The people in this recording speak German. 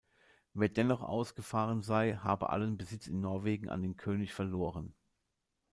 Wer dennoch ausgefahren sei, habe allen Besitz in Norwegen an den König verloren.